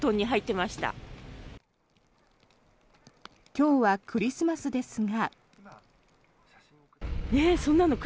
今日はクリスマスですが。